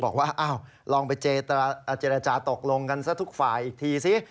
บอกว่าลองไปเจรจาตกลงกันซะทุกฝ่ายอีกทีสิ